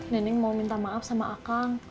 neneng mau minta maaf sama akang